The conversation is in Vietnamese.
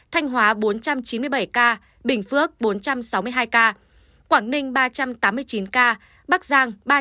thành hóa bốn trăm chín mươi bảy ca bình phước bốn trăm sáu mươi hai ca quảng ninh ba trăm tám mươi chín ca bắc giang ba trăm tám mươi chín ca